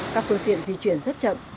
các phương tiện di chuyển rất chậm